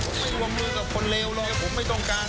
ผมไม่รวมมือกับคนเลวเลยผมไม่ต้องการ